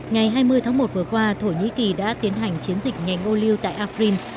ngày hai mươi tháng một vừa qua thổ nhĩ kỳ đã tiến hành chiến dịch ngành ô liu tại afren